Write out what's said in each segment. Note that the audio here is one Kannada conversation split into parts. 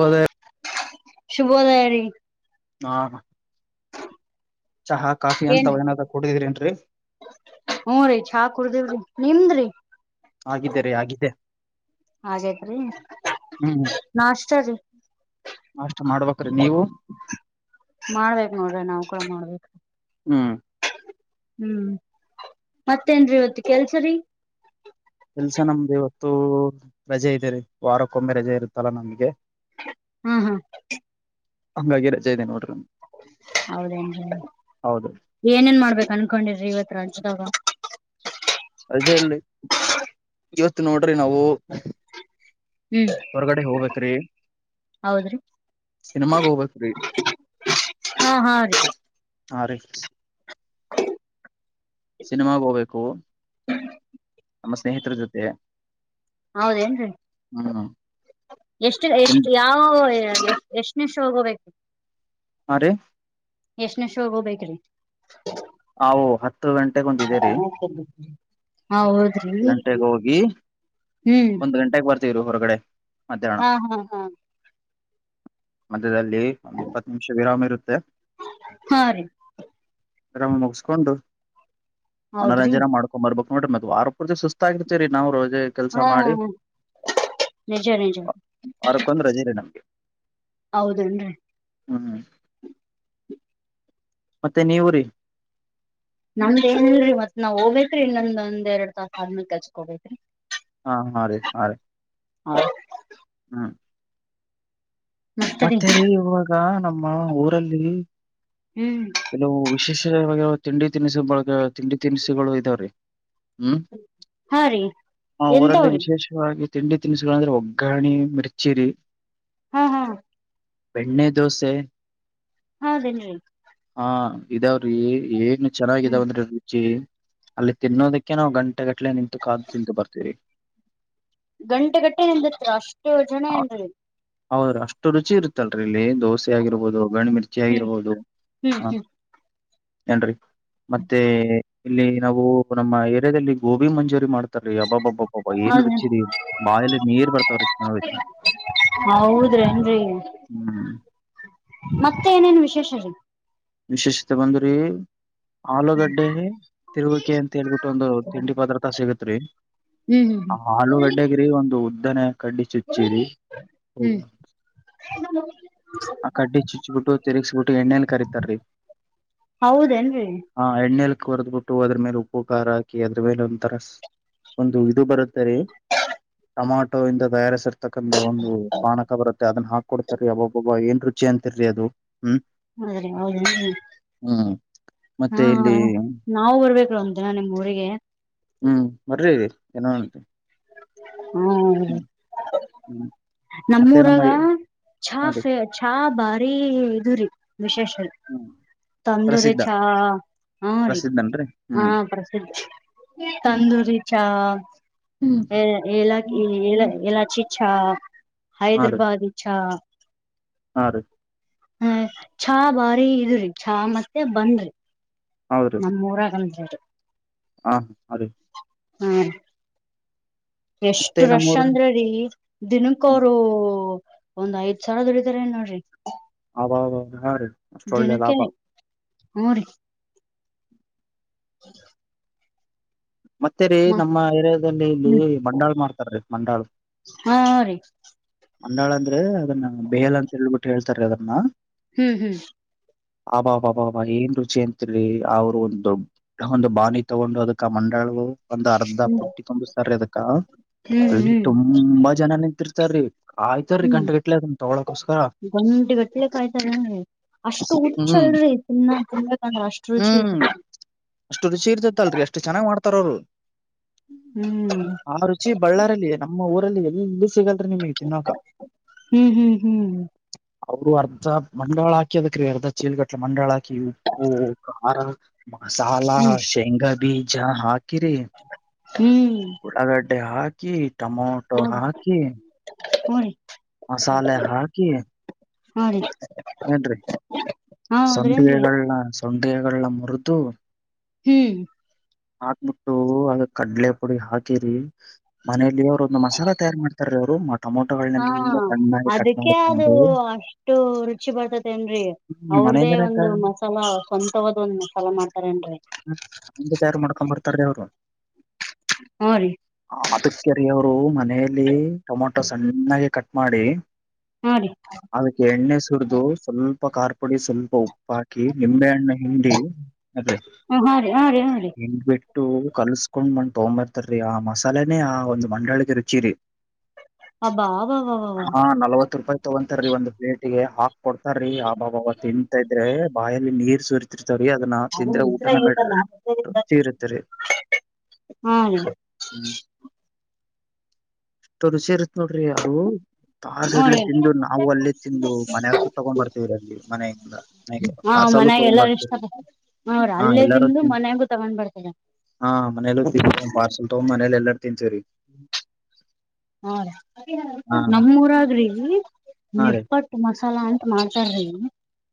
ಬದೇ ಶುಭೋದಯ ರ ಹಾ ಚಹಾ ಕಾಫಿ ಅಂತ್ ಏನಾದ್ ಕುಡಿದ್ರರಿ ನ್ರಿ ಹ್ಮ್ ರೀ ಚಾ ಕುಡದೇವ್ರಿ ನಿಮ್ದ್ರಿ ಆಗಿದ್ದೇ ರೀ ಆಗಿದ್ದೆ ಹಾಗೇತ್ ರಿ ಹ್ಮ್ ನಾ ಅಷ್ಟ ರೀ ಅಷ್ಟ ಮಾಡ್ಬೇಕ್ರೀ ನೀವು ಮಾಡ್ಬೇಕೇಕ್ ನೋಡ್ರಿ ನಾವವು ಕೂಡ ಮಾಡ್ಬೇಕು ಹಾ ಹ್ಮ್ ಮತ್ತೇನ್ ಇವತ್ತ ಕೆಲ್ಸರಿ ಕೆಲ್ಸ ನಮ್ದು ಇವತ್ತು ರಜೆ ಇದೆ ರೀ ವಾರಕ್ಕೊಮ್ಮೆ ರಜೆ ಇರುತ್ತಲ್ಲಾ ನಮ್ಗೆ ಹ್ಮ ಹಾ ಹಂಗಾಗಿ ರಜೆ ಇದೆ ನೋಡ್ರಿ ಹೌದೇನ್ ಹೌದು ಏನೇನ್ ಮಾಡ್ಬೇಕ ಅನ್ಕೊಂಡಿದ್ರಿ ಇವತ್ ರಜ ತಾಗ ರಜೆ ಇಲ್ರಿ ಇವತ್ ನೋಡ್ರಿ ನಾವು ಹ ಹೊರಗಡೆ ಹೋಗ್ಬೇಕೇರೀ ಹೌದ್ರಿ ಸಿನಿಮ ಗೋಬತ್ ಹಾ ಹಾ ರ ಹಾ ರೀ ಹ ಸಿನಿಮಾಗ ಹೋಗ್ಬೇಕು ನಮ್ಮ ಸ್ನೇಹಿತರ ಜೊತೆ ಹೌದೇನ್ ಹ್ಮ ಎಷ್ಟು ಎಷ್ಟು ಯಾವ ಎಷ್ಟನಷ್ಟ ಹೋಗೋಬೇಕು ಹಾಂ ರೀ ಎಷ್ಟನ ಶೋಗ ಹೋಗ್ಬೇಕ್ರಿ ಹಾವು ಹತ್ತು ಗಂಟೆೆಗೆೊಂದಿದ್ದೇರಿ ಹ ಹಾ ಹೋದ್ರಿ ಹ ಗಂಟೆಗೆ ಹೋಗಿ ಒಂದು ಗಂಟೆಗೆ ಬರ್ತ ಹೊರಗಡೆ ಮಧ್ಯಾಹ್ನ ಹಾ ಹಾ ಹಾ ಮಧ್ಯದಲ್ಲಿ ಒಂದು್ ಇಪ್ಪತ್ತು ನಿಮಿಷ ವಿರಾಮ ಇರುತ್ತೆ ಹಾ ರೀ ರಾಮ ಮುಗಸ್ಕೊಂಡು ಹೌದ್ರಿ ಮನೋರಂಜನೆ ಮಾಡ್ಕೊಂಡ್ಂಬರ್ಬೇಕ ಮೋಟ್ರೆ ಮತ್ತ ವಾರ ತಿ ಸುಸ್ತ ಆಗಿರ್ತತಿರಿ ನಾವು ರಜೆ ಹ್ಮ ನಿಜ ನಿಜ ವಾ- ವಾರಕ್ಕೊಂದ್ ರಜೆ ರೀ ನಮ್ಗೆ ಹೌದೇನ್ರಿ ಹ್ಮ್ ಮತ್ತೆ ನೀವು ರಿ ನಮ್ದ್ ನ್ನಲ್ರರಿ ಮತ್ ನಾವ್ ಹೋಗ್ತ್ರಿ ಇನ್ನಮ್ ಒಂದ್ ಎರಡ್ ತಾಸ ಆದ್ಮ ಕಚ್ಕೋತ್ರಿ ಹಾ ಹ ರೀ ಹ ರೀ ಹಾ ಹ್ಮ ಮತ್ತರಿ ಮತ್ತೆ ರ ಇವಾಗ ನಮ್ಮ ಊರಲ್ಲಿ ಹ್ಮ್ ಕೆಲವು ವಿಶೇಷ ತಿಂಡಿ ತಿನಿಸು ಬಳಗೆ ತಿಂಡಿ ತಿನಿಸುಗಳು ಇದಾವೀ ಹ್ಮ್ ಹಾ ರೀ ಎಂತ ಹೊ ರೀ ಾಗಿ ತಿಂಡಿ ತಿನಿಸುಗಳಂದ್ರೆ ಒಗ್ಗಾಣೆ ಮಿರ್ಚಿ ಹಾ ಹಾ ಬೆಣ್ಣೆ ದೋಸೆ ಹೌದೇನೀ ಹಾ ಇದಾವ್ರಿ ಏಗ್ನ್ ಹ್ಮ್ ಚೆನ್ನಾಗಿದಾವಂದ್ರಿ ರುಚಿ ಅಲ್ಲಿ ತಿನ್ನೋದಕ್ಕೆ ನಾವವು ಗಂಟೆ ಗಟ್ಲೆ ನಿಂತು ಕಾದ್ ತಿಂತ ಬರ್ತೀರಿ ಗಂಟೆ ಗಟ್ಟೆ ಎಂದತ್ತು ಅಷ್ಟು ಜನ ಎಂದಿ ಹೌದ್ರ ಅಷ್ಟು ರುಚಿ ಇರುತ್ತಲ್ರರಿ ಇಲ್ಲಿ ದೋಸೆ ಆಗಿರ್ಬೋದು ಗಣಡು ಮಿರ್ಚಿ ಹ್ಮ್ ಆಗಿರ್ಬೋದು ಹ್ಮ್ ಹಾ ಹ್ಮ್ ಏನ್ರಿ ಮತ್ತೆ ಇಲ್ಲಿ ನಾವು ನಮ್ಮ ಏರಿಯಾದಲ್ಲಿ ಗೋಬಿ ಮಂಜೂರಿ ಮಾಡ್ತಾರೀ ಅಬ್ಬಬ್ಬಬ್ಬ ಅಬ ಹೌದೇನ್ ಏನರುಚರಿ ಬಾಯಲ್ಲಿ ನೀರುಪರತವರಿ ಇನಿ [unintelligible] ಹೌದ್ರೇನ್ರಿ ಹ್ಮ್ ಮತ್ತೆ ಏನೇನು ವಿಶೇಷ ರೀ ವಿಶೇಷತೆ ಬಂದ್ರಿ ಆಲೂಗಡ್ಡೆ ತಿರುಗಕೆ ಅಂತ ಹೇಳ್ಬಿಟ್ಟು ಒಂದು ತಿಂಡಿ ಪದಾರ್ಥ ಸಿಗತ್ರಿ ಹ್ಮ್ ಮ್ಮ ಹ್ಮ್ ಆಲೂಗಡ್ಡೆಗ್ರೀ ಒಂದು ಉದ್ದನ ಕಡ್ಡಿ ಚುಚ್ಚಿರಿ ಹ ಹ [inaudible] ಆ ಕಡ್ಡಿ ಚುಚ್ಬಿಟ್ಟು ತಿರುಗ್ಸಬಿಟ್ಟು ಎಣ್ಣೇಲಿ ಕರಿತಾರ್ರಿ ಹೌದೇನ್ರಿ ಹ ಎಣ್ಣೆಲಿ ಕರೆದ್ ಬಿಟ್ಟು ಅದ್ರ ಮೇಲೆ ಉಪ್ಪು ಖಾರ ಹಾಕಿ ಅದ್ರ ಮೇಲೆ ಒಂ ತರ ಸ ಒಂದು ಇದು ಬರುತ್ತೆ ಸರಿ ಟಮಾಟೊ ಇಂದ ತಯಾರಿಸರ್ ತಕ್ಕಂತ ಒಂದು ಪಾಣಕ ಬರುತ್ತೆ ಅದನ್ನ ಹಾಕೊಡ್ತಾರೀ ಅಬ್ಬಬ್ಬಬ್ಬ ಏನ್ ರುಚಿ ಅಂತಿರಿ ಅದು ಹ್ಮ್ ಹದ್ರೀ ಹೌದ ಮತ್ತೆ ಇಲ್ಲಿ ಹ್ಮ ನಾವು ಬರ್ಬೇಕ್ರ ಒಂದ್ ದಿನ ನಿಮ್ ಊರಿಗೆ ಹ್ಮ್ ಬರ್ರಿ ಇ ನೋಂ ಹ್ಮ ಹ್ಮ್ ಮತ್ತೆ ನಮ್ಮ ನಮ್ಮೂರಾಗ ಹಾ ರೀ ಚಾಫೆ ಚಾ ಭಾರಿ ಇದು ರಿ ವಿಶೇಷಲ್ಲಿ ಹ್ಮ್ ತಂದೂರಿ ಚಾ ಹಾ ರೀ ನನ್ರಿ ಹಾ ಪ್ರಸಿದ್ಧಿ ತಂದೂರಿ ಚಾ ಹ್ಮ್ ಎ ಏಲಕ್ಕಿ ಎಲಾ ಹ್ಮ್ ಎಲಾಚಿ ಚಾ ಹೈದ್ರಾಬಾದ ಚಾ ಹಾಂ ರೀ ಹ ಚಾ ಬಾರಿ ಇದ್ರಿ ಚಾ ಮತ್ತೆ ಬಂದ್ರಿ ನಮ್ಮೂರ ಆಗಲ್ರಿ ಹಾ ಅದೇ ಹಾ ಎಷ್ಟ ಮತ್ತೆ ರಷ ನಮ್ಮೂರ ಅಂದ್ರ ರೀ ದಿನಕ್ಕ ಹ್ಮ್ ಅವರು ಒಂದ್ ಐದ್ ಸಾವರ ದುಡತಾರೆ ನೋಡ್ರಿ ಹ [unintelligible] ಹಾ ರೀ ಅಷ್ಟ ಒಳ್ಳೆ ದಿನಕ್ಕೆ ಲಾಭ ಹ್ರಿ [inaudible] ಮತ್ತೇ ರೀ ನಮ್ಮ ಏರಿಯಾದಲ್ಲಿ ಇಲ್ಲಿ ಹ್ಮ್ ಮಂಡಾಳ್ ಮಾಡ್ತಾರೀ ಮಂಡಾಳ ಹಾ ಹ ರೀ ಮಂಡಾಳ ಅಂದ್ರೆ ಅದನ್ನ ಬೇಲ್ ಅಂತ ಹೇಳ್ಬಿಟ್ಟು ಹೇಳ್ತಾರೆ ಅದನ್ನ ಹ್ಮ್ ಹ್ಮ್ ಅಬಬಬಬ ಏನ್ ರುಚಿ ಅತ್ರಿ ಅವ್ರು ಒಂದುಡ್ ಒಂದು ಬಾಣಿ ತಗೊಂಡು ಅದಕ್ಕ ಮಣ್ [unintelligible] ಒಂದು ಅರ್ಧ ಹ್ಮ್ ಪುಟ್ಟಿ ತುಂಬ್ಸತ್ತರೀ ಅದಕ್ಕ ಹ್ಮ್ ಅಲ್ಲಿ ಹ್ಮ್ ತುಂಬ್ ತುಂಬಾ ಜನ ನಿಂತಿರ್ತಾ ರೀ ಕಾಯ್ತ್ ರೀ ಹ್ಮ್ ಗಂಟ್ ಗಂಟ್ಲೆ ಅದನ್ನ ತಗಳಕೋಸ್ಕರ. ಗಂಟೆಗಟ್ಲೆ ಕಾಯ್ತಾರೆ ಅಷ್ಟು ಹುಚ್ಚ್ ಹಿಡ್ದತಿ ತಿನ್ನ ತಿಂಬಕಂದ್ರ ಅಷ್ಟು ರುಚಿ ಹ್ಮ್ ಇರ್ತತಿ. ಅಷ್ಟು ರುಚಿ ಇರ್ತತೆ ಅಲ್ರೀ ಅಷ್ಟು ಚೆನ್ನಾಗ್ ಮಾಡತಾರ ಅವರು. ಹ್ಮ್ ಆ ರುಚಿ ಬಳ್ಳಾರಲ್ಲಿ ನಮ್ಮ್ ಊರಲ್ಲಿ ಎಲ್ಲೂ ಸಿಗಲ್ ನಿಮಗ್ ತಿನೋಕ ಹ್ಮ್ ಹ್ಮ್ ಹ್ಮ್ ಅವರು ಅರ್ಧ ಮಂಡಾಳ್ ಹಾಕಿ ಅದಕ ರೀ ಅರ್ಧ ಚೀಲ್ಗಟ್ಲೆ ಮಂಡಾಳ್ ಹಾಕಿ ಉಪ್ಪು ಖಾರ ಮಸಾಲ ಹ್ಮ್ ಶೇಂಗಾ ಬೀಜ ಹಾಕಿರಿ. ಹ್ಮ್ ಉಳ್ಳಗಡ್ಡೆ ಹಾಕಿ ಟಮೊ ಹ್ಮ್ ಹ್ಮ್ ರೀ ಮಸಾಲೆ ಹಾಕಿ ಹ ರೀ ಏನ್ರಿ ಹೌದ್ರೇನ್ರಿ ಸಂಡಿಗೆಗಳನ ಸಂಡಿಗೆಗಳ ಮುರುದು ಹ್ಮ್ ಹಾಕ್ಬಿಟ್ಟು ಅದ್ ಕಡ್ಲೆ ಪುಡಿ ಹಾಕಿರಿ ಮನೇಲಿ ಅವ್ರ್ ಒ ಮಸಾಲಾ ತಯಾರು ಮಾಡ್ತಾರೀ ಅವರು ಹಾ ಟೊಮೊಟೊಗಳನ್ನೆಲ್ಲ ಸಣ್ಣಗಿ ಕಟ್ ಅದಕ್ಕೆ ಅದು ಮಾಡ್ಕೊಂಡು. ಅಷ್ಟು ರುಚಿ ಬರ್ತತೆ ಏನ್ರರಿ ಹ್ಮ್ ಅವ್ರುದೇ ಮನೆಯಿಂದನೇ ಒಂದು ತ- ಮಸ್ತ್ ಸಲ ಸ್ವಂತವಾದ ಒಂದ್ ಮಾಸಲ ಮಾಡ್ತಾರೇನ್ರಿ. ತಯಾರ್ ಮಾಡ್ಕೊ ಬರ್ತಾರ್ ರೀ ಅವರು. ಹ ರೀ ಅದಕೆ ರೀ ಅವರು ಮನೆಯಲ್ಲಿ ಟೊಮೊಟೊ ಸಣ್ಣಾಯಗ್ ಕಟ್ ಮಾಡಿ ಹಾ ರೀ ಅದಕ್ಕೆ ಎಣ್ಣೆ ಸುರುದು ಸ್ವಲ್ಪ ಖಾರ್ ಪುಡಿ ಸ್ವಲ್ಪ ಉಪ್ಪ್ ಹಾಕ್ ಕಿ ನಿಂಬೆಹಣ್ಣ ಹಿಂಡಿ ಅದ್ ಹ ಹ ರೀ ಹ್ ರೀ ಹ್ ರೀ ಹಿಂಡ್ ಬಿಟ್ಟು ಕಲ್ಸ್ಕೊಂಡ್ ಮಂಡ್ ತಗೊಬರ್ತಾರೀ ಆ ಮಸಾಲೆನೇ ಆ ಒಂದ್ ಮಂಡಾಳಿಗೆ ರುಚಿ ರೀ. ಹಬ ಹಬ ಬಬಬ ನಲ್ವತ್ತು ರೂಪಾಯ್ ತಗೊಂತಾರೀ ಒಂದು ಪ್ಲೇಟ್ಗೆ ಹಾಕ್ ಕೊಡ್ತಾ ರೀ ಅಬ್ಬಬ್ಬ ತಿಂತ ಇದ್ರೆ ಬಾಯಲ್ಲಿ ನೀರ್ ಸುರಿ ರ್ತವ ರೀ ಅದನ್ನ ಅದು ತಿಂದ್ರೆ ಊಟನೇ ಉಸಿರಾಗ ಬ್ಯಾಡ್ ಐತಲ್ಲ ರೀ ರುಚಿ ಇರುತ್ತೆ ರೀ ಹಾ ರೀ ಹ್ಮ್ ಎಷ್ಟು ರುಚಿ ಇರ್ ನೋಡ್ರಿ ಅದು ತಸ್ ಹಾ ಸೈಡ್ಲೆ ತಿಂದು ನಾವು ರೀ ಅಲ್ಲೇ ತಿಂದು ಮನಗೂ ತಗೊಂಡ್ ಬರ್ತೀವ್ರ್ ರೀ ಅಲ್ಲಿ ಮನೆಯಿಂದ ಹಾ ಪಾರ್ಸಲ್ ಮನ್ಯಾಗ ತಗೊಂಡ್ ಎಲ್ಲಾರ್ ಇಷ್ಟ ಬರ್ತೇವ್ರಿ ಪಡ್ ಅವ್ರ ಹಾ ಅಲ್ಲೇ ಎಲ್ಲಾರೂ ತಿಂದು ತಿನ್ ಮನ್ಯಾಗು ತಗೊಂಡ್ ಬರ್ತರೆ. ಹಾ ಮನೆಲ್ಲೂ ತಿಂದ್ ಪಾರ್ಸಲ್ ತಗೊ ಮನೆಲ್ಲಿ ಎಲ್ಲರೂ ತಿಂತೀವ್ ರೀ ಹಾ ರೀ ಹಾ ನಮ್ಮೂರ್ ಅಗ್ರಿ ಹಾ ರೀ ನಿಪ್ಪಟ್ ಟು ಮಸಾಲ ಅಂತ ಮಾಡ್ತಾರೀ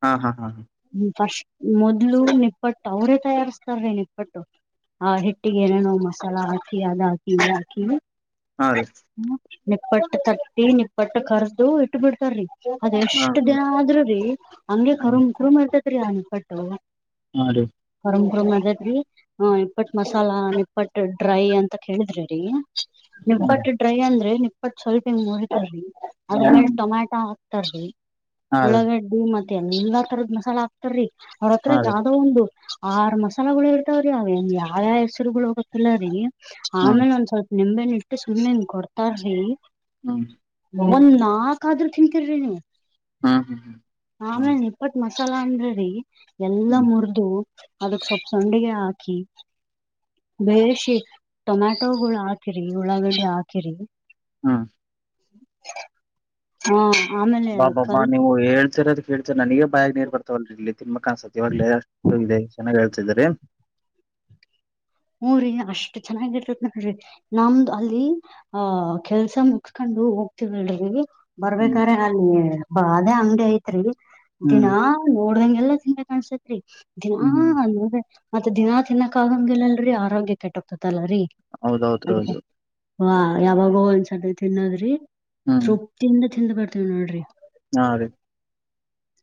ಹಾ ಹಾ ಹಾ ಹ ಹ್ಮ ಫಸ್ಟ್ ಮೊದ್ಲು ನಿಪ್ಪಟ್ಟು ಅವ್ರೇ ತಯಾರಸ್ತಾ ರೀ ನಿಪ್ಪಟ್ಟು. ಆ ಹಿಟ್ಟಿಗೆ ಏನೇನೋ ಮಸಾಲ ಹಾಕಿ ಅದ್ ಹಾಕಿ ಇದ್ ಹಾಕಿ ಹಾ ರೀ ಹ್ಮ ನಿಪ್ಪಟ್ಟ ತಟ್ಟಿ ನಿಪ್ಪಟ್ಟ ಕರ್ದು ಇಟ್ಟು ಬಿಡ್ತಾರ್ರಿ ಹಾ ಅದಎಷ್ಟು ಹಾ ದಿನ ಆದರೂ ಹಾ ನಿಪ್ಪಟ್ಟು ಹಾ ರೀ ಪರಂಪರ ಮದತ್ ರೀ ಹಾ ನಿಪ್ಪಟ್ ಮಸಾಲಾ ನಿಪ್ಪ ಡ್ರೈ ಅಂತ ಕೇಳಿದರೆ ಹಾ ನಿಪ್ಪಟ್ಟ ಡ್ರೈ ಅಂದ್ರೆ ನಿಪ್ಪಟ್ಟ ಸ್ವಲ್ಪ ಹಿಂಗ ಮುಡತಾರರಿ ಅದ್ಮೇಲ್ ಟೊಮ್ಯಾಟೊ ಹಾಕ್ತಾರಿ ಹಾ ರೀ ಉಳ್ಳಾಗಡ್ಡೆ ಮತ್ತೆ ಎ ಎಲ್ಲಾ ತರದ ಮಸಾಲ ಹಾಕ್ತಾರೀ ಅವ್ರ ಹತ್ರ ಹಾ ರೀ ಯಾವ್ದೋ ಒಂದು ಆರ್ ಮಸಾಲಗಳು ಇರ್ತಾವ್ರೀ ಅವ ಯಾವ್ಯಾವ ಹೆಸರುಗಳು ಹೋಗತಿಿಲ್ಲ ರೀ ಹ್ಮ್ ಆಮೇಲೆ ಒಂದ್ ಸ್ವಲ್ಪ ನಿಂಬೆಣ್ಣುನಟ್ಟು ಸುಮ್ಮನೆನ್ ಕೊಡ್ತಾರ -ರಿ ಹ್ಮ ಒಂದ್ ನಾಕ್ ಆದ್ರೂ ತಿನ್ಕಿರಿ ನೀವು ಹಾ ಹಾ ಹಾ ಆಮೇಲೆ ನಿಪ್ಪಟ್ ಮಸಾಲ ಅಂದ್ರೆ ಹ್ಮ್ ಅದಕ್ ಸ್ವಲ್ಪ ಸಂಡಿಗೆ ಹಾಕಿ ಬೇರೆ ಶ ಟೊಮ್ಯಾಟೊಗಳು ಹಾಕಿರಿ ಉಳ್ಳಾಗಡಿ ಹಾಕಿರಿ ಹಾ ಹ ಹಾ ಆಮೇಲೆ ಹೇಳ್ತಿರೋದ ಅಬ್ಬಬ್ಬಾಳ್ತಿರುವುದು ಹೇಳ್ತ ನನಗ ಬಯಗ್ ನೀರ್ ಬರ್ತಾವಲ್ ಇಲ್ಲಿ ತಿನ್ಮಕ್ಕ ಅನ್ಸತತಿ ಇವಾಗಲ ಅಷ್ಟ ಇದೆ ಚೆನ್ನಾಗಿ ಹೇಳ್ತಿದರಿ ಹಊ ರರಿ ಅಷ್ಟ್ ಚೆನ್ನಾಗಿರ್ತತ್ ನೋಡಿ ನಮ್ದು ಅಲ್ಲಿ ಕೆಲಸ ಮುಚ್ಕೊಂಡು ಹ್ಮ್ ಬರಬೇಕಾದರೆ ನ ಬಾದೆ ಅಂಗಡಿ ಐತ್ರಿ ಹ್ಮ್ ದಿನಾ ನೋಡವಗೆಲ್ಲಾ ತಿಿಂದ ಕಾಣಸತ್ರಿ ದಿನಾ ಹ್ಮ್ ಅಂದಂದ್ರೆ ದಿನಾ, ತಿನ್ನಕ್ಕಾಗಲ್ಲರಿ ಆರೋಗ್ಯ ಕೊಟ್ಟು ಹೌದೌದ್ರೌದು ಲವಂಗ ಸತಿ ತಿನ್ನುವುದರಿಂದ ಹ್ಮ್ ತೃಪ್ತಿಯಿಂದ ತಿಂದು ಬಿಡ್ತೀನಿ ನೋಡ್ರಿ ಹಾ ಅದೇ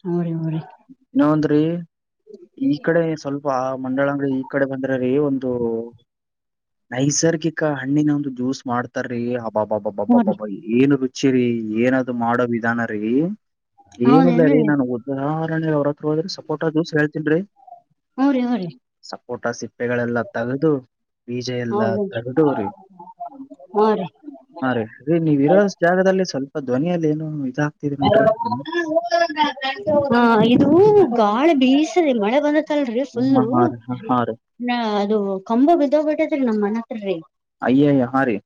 ಮೂಊ ರ ಹಊ ರೀ ನಾವಂದ್ರಿ ಈ ಕಡೆ ಸ್ವಲ್ಪ ಆ ಮಂಡಲ ಅಂಗಡಿ ಈ ಕಡೆ ಬಂದ್ರ ರೀ ಒಂದು ನೈಸರ್ಗಿಕ ಹಣ್ಣಿನ ಒಂದು ಜ್ಯೂಸ್ ಮಾಡ್ತಾರೀ ಬ ಬಾ ಬಾಬಾ ಬಾಬಾ ಹ್ರಿ ಬಾಬಾ ಏನು ರುಚಿ ರೀ ಏನದು ಮಾಡೋ ವಿಧಾನ ರೀ ಏನಿಲ್ಲ ಹೌದೇನ್ರಿ ರೀ ನಾನು ಉದಾಹರಣೆ ಅವರ ಅವಳ್ಗೆ ಸಪೋಟ ಜೂಸ್ ಹೇಳ್ತನ್ರೀ ಹ್ರಿ ಹ್ರಿ ಸಪೋಟ ಸಿಪ್ಪೆಗಳೆಲ್ಲ ತೆಗೆದು ಬೀಜ ಎಲ್ಲ ಹೌದೇನ್ರಿ ತಗದವ್ರಿ ರೀ ನೀವ ಇರ ಜಾಗದಲ್ಲಿ ಸ್ವಲ್ಪ ಧ್ವನಿಯಲ್ಲಿ ಏನು ಇದ ಹ ಇದು ಗಾಳಿ ಬೀಸದೆ ಮಳೆ ಬಂದ ಲ್ರಿ ಹ್ಮ್, ಹಾ ಹಾ ರೀ ಹಾ ಹಾ ರೀ ಫುಲ್ಲ ಅದು ಕಂಬ ಬಿದ್ದೋಗ್ಬಿಟ್ಟೇತ್ರಿ ನಮ್ ಮನ್ ಹತ್ರರಿ ಅಯ್ಯೋ ಅಯ್ ರ್ರೀ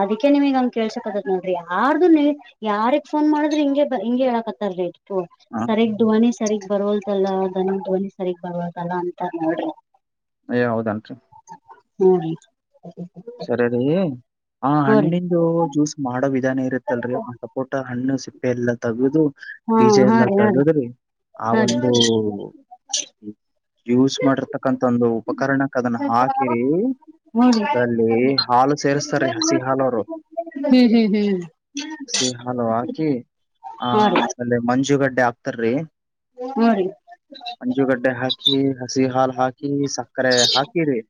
ಅದಿಕ್ಕೆ ನಿಮಗ್ ಹಂಗ ಕೇಳ್ಸಕ್ದತ್ ನೋಡ್ರಿ ಯಾರ್ದು ನಿ ಯಾರಿಗ್ ಫೋನ್ ಮಾಡುದ್ರೆ ಹಿಂಗಗೆ ಹಿಂಗಗೆ ಹೇಳಾಕತ್ತಾರೀ ಹ ಸರಿಯಗ್ ಧವನಿ ಸರಿಗ್ ಬರವಲ್ದಲ್ಲಾಧ್ವನಿ ಧ್ವಿ ಸಗ್ ಬರವದಲ್ಲ ಅಂತ ನೋಡ್ರಿ ಏ ಹೌದನ್ರರಿ ಹ್ಮ್ ೀ ಆ ಹಣ್ಣಿಂದು ಜ್ಯೂಸ್ ಮಾಡೋ ವಿಧಾನ ಇರುತ್ತಲ್ರಿ ಆ ಪಊಟ ಹಣ್ಣು ಸಿಪ್ಪೆ ಎಲ್ಲ ತಗದು ಹ್ಮ ರೀ ಬೀಜ ಹಾ ಹಾ ಎಲ್ಲ ರೀ ಹಾ ರೀ ತಗದ್ರಿ ಆ ಹಾ ರೀ ಒಂದು ಯೂಸ್ ಮಾಡಿರ್ತಕ್ಕಂ ಒಂದು ಉಪಕರಣಕ್ಕ ಅದನ್ನ ಹಾಕಿರಿ ಮಬ ಅದ್ರಲ್ಲಿ ಹಾಲು ಹ್ಮ್ ಸೇರಿಸಸ್ತಾರೀ ಹಸಿ ಹಾಲು ಅವರು ಹ್ಮ್ ಹ್ಮ್ ಹಸಿ ಹಾ ರೀ ಅಲ್ಲೇ ಮಂಜುಗಡ್ಡೆ ಹಾಕ್ತಾರೀ ಹಾ ರೀ ಮಂಜುಗಡ್ಡೆ ಹಾಕಿ ಹಸಿ ಹಾಲು ಹಾಕಿ ಸಕ್ಕರೆ ಹಾಕಿರಿ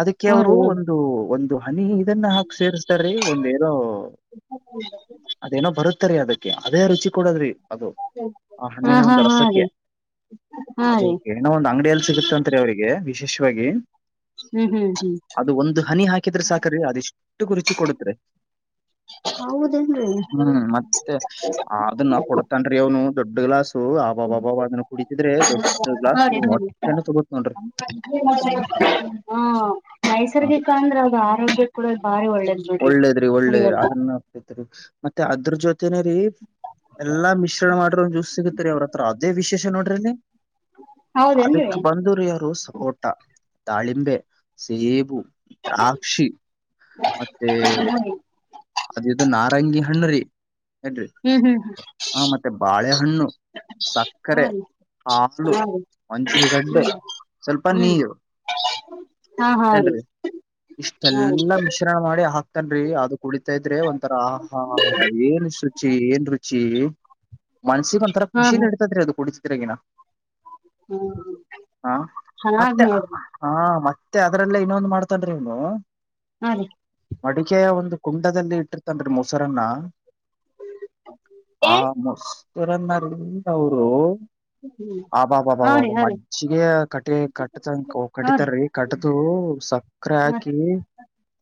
ಅದಕ್ಕೆ ಹ್ಮ್ ಅವರು ರೀ ಒಂದು ಒಂದು ಮನಿ ಇದನ್ನ ಹಾಕ್ ಸೇರ್ಸ್ತ ರೀ ಒಂದೇನೋ ಅದೇನೋ ಬರುತ್ತ ಇತರಿ ಅದಕ್ಕೆ ಅದೇ ರುಚಿ ಕೊಡದ್ರಿ ಅದು ಆ ಹಾ ಹಣ್ಣಿನ ಹಾ ಒಂದು ಹಾ ರಸಕ್ಕೆ ರೀ ಹಾ ಅದು ರೀ ಇನ್ನೋ ಒಂದ್ ಅಂಗಡಿಯಲ್ಲಿ ಸಿಗುತ್ತೆತ್ರಿ ಅವ್ರರಿಗೆ ವಿಶೇಷವಾಗಿ ಹ್ಮ್ ಹ್ಮ್ ಹ್ಮ್ ಅದು ಒಂದು್ ಹನಿ ಹಾಕಿದ್ರೆ ಸಾಕ್ರರಿ ಅದಿಷ್ಟು ರುಚಿ ಕೊಡದ್ರಿ ಹೌದೇನ್ರಿ ಹ್ಮ್ ಮತ್ತೆ ಅನ್ನಾ ಕೊಡ್ತನ್ರಿ ಅವನು ದೊಡ್ಡ ಗ್ಲಾಸ್ ಆಬಬಾಬ ಅದನ್ನ ಕುಡಿಸಿದ್ರೆ ದೊಡ್ಡ ಗ್ಲಾಸ್ ನೋಡಿ ನೋಡಿ ಹೊಟ್ಟೆನ್ನು ತಗೋ ನೋಡ್ರಿ ಹಾ ಅದು ನೈಸರ್ಗಿಕ ಅಂದ್ರೆ ಅವ ಆರೋಗ್ಯ ಕೂಡ ಭಾರಿ ಒಳ್ಳೇದು ಒಳ್ಳೇದ್ರಿ ಒಳ್ಳೇದ್ರಿ ಅದನ್ನತ್ರಿ ಮತ್ತೆ ಅದ್ರ ಜೊತನೇ ರೀ ಎಲ್ಲಾ ಮಿಶ್ರಣ ಮಾಡ್ರ ಒಂದ್ ಜ್ಯೂಸ್ ಸಿಗುತ್ತತ್ರಿ ಅವ್ರತ್ರ ಅದೇ ವಿಶೇಷ ನೋಡ್ರಿ ನೀ ಅದಕ್ಕೆ ಹೌದೇನ್ರಿ ಬಂದರು ಯಾರು ಸಪೋರ್ಟ್ ತಾಳಿಂಬೆ ಸೇಬು ದ್ರಾಕ್ಷಿ ಮೇ ಅದದು ನಾರಂಗಿ ಹಣ್ಣ್ರಿ ಹೇಳ್ರಿ ಹ್ಮ್ ಹ್ಮ್ ಹ್ಮ್ ಹ ಮತ್ತೆ ಬಾಳೆಹಣ್ಣು ಸಕ್ಕರೆ ನೋಡ್ರಿ ಹಾಲು ನೋಡ್ರಿ ಮಂಜುಗಡ್ಡೆ ಹ್ಮ್ ಸ್ವಲ್ಪ ಹ್ಮ್ ನೀರು ಹಾ ಹಾ ರೀ ಏನ್ರಿ ಹಾ ರೀ ಇಷ್ಟೆಲ್ಲಾ ಮಿಶ್ರಣ ಮಾಡಿ ಹಾಕ್ತನ್ಿ ಅದು ಕುಡಿತಾ ಇದ್ರೆ ಒಂಂತರ ಆಹಾ ಏನ್ ರುಚಿ ಏನ್ ರುಚಿ ಮನ್ಸಿಗ ಒಂಥರಾ ಹಾ ಖುಷಿ ಹಾ ನಡತದ್ರಿ ಅದು ಕುಡಿತಿದ್ರಗಿನ ಹಾ ಚೆನ್ನಾಗ್ ಮತ್ತೆ ನೋಡ್ರಿ ಹಾ ಮತ್ತೆ ಅದ್ರಲ್ಲ ಇನ್ನೊಂದ್ ಮಾಡ್ತನ್ಿ ಇನು ಹಾಂ ರೀ ಮಡಿಕೆಯ ಒಂದು ಕುಂಡದಲ್ಲಿ ಇಟ್ಟಿರ್ತನ್ರಿ ಮೊಸರನ್ನ ಆ ಮಸ್ತರನ್ನರಿಲ್ಲ ಅವರು ಹ ಹ್ಮ್ ಆಬಾಬಾಬಬಬ ಮಜ್ಜಿಗೆ ಕಟ್ಟಿ ಕಟ್ಟ ಹಾ ರೀ ಕಟ್ಟಿತಾರೀ ಕಟ್ಟ್ದ ಸ ಅಕ್ರ ಹಾಕಿ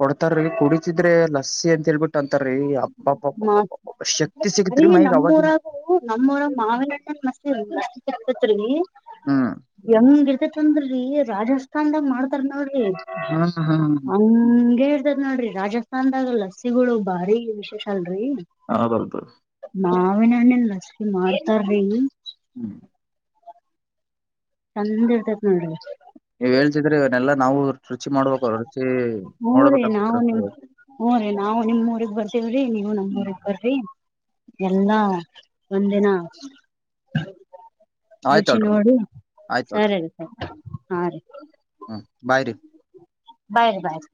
ಕೊಡ್ತಾರ ಕುಡಿತಿದ್ರೆ ಲಸ್ಸಿ ಅಂತ ಹೇಳ್ಬಿಟ್ಟು ಅಂತಾರೀ ಹಬ್ಬಬ್ಬ ಶಕ್ತಿ ಸಿಗತ್ೀ ಮೈಗ ಅವವಾಗಿ ನಮ್ಮಊರ ಮಾವಿನಟ್ಟ ಮಸ್ ಆಗ್ತತ್ರಿ ಹ್ಮ್ ಹೆಂಗ ಇರ್ತೇತಂದ್ರಿ ರಾಜಸ್ಥಾನ್ದಾಗ ಮಾಡ ನೋಡ್ರಿ ಹ್ಮ್ ಹ್ಮ್ ಹ್ಮ್ ಹಂಗಗೆ ಹೇಳ್ತಾರ ನೋಡ್ರಿ ರಾಜಸ್ಥಾನ್ದಾಗ ಲಸ್ಸಿಗಳು ಬಾರಿ ವಿಶೇಷ ಅಲ್ರರಿ ಹದೌದು ನಾವನಣ್ಣನ್ ರಸ್ಿ ಮಾಡ್ತಾರ್ರಿ ಹ್ಮ್ ಚಂದ್ ಇರ್ತೇತ್ ನೋಡ್ರಿ ನೀವ್ ಹೇಳ್ತಿದ್ರೆ ಇವನ್ನಲ್ಲಾ ನಾವು ರುಚಿ ಮಾಡ್ಬೇಕು ರುಚಿ ನೋಡ್ಬೇಕಾಗಗ್ತತಿ ಹ್ ರೀ ನಾವು ನಿಮ್ಮ್ಊಗ್ ಬರ್ತೀವ್ರೀ ನೀವು ನಮ್ಮ್ ಊಗ್ ಬರ್ರರಿ ಎಲ್ಲಾ ಒಂದಿನ ರುಚಿ ಆಯ್ತಳ್ರಿ ನೋಡಿ ಆಯ್ತಳ್ರಿ ಸರಿ ರೀ ಸರಿ ಹಾ ರೀ ಹ್ಮ್ ಬ್ರ ಬಾಯ್ ಬಾಯ್